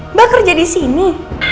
mbak kerja disini